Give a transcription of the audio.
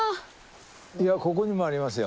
ここにもありますよ。